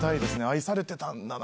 愛されてたんだ！